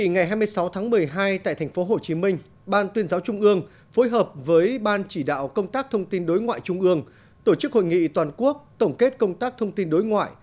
ngày hai mươi sáu tháng một mươi hai tại thành phố hồ chí minh ban tuyên giáo trung ương phối hợp với ban chỉ đạo công tác thông tin đối ngoại trung ương tổ chức hội nghị toàn quốc tổng kết công tác thông tin đối ngoại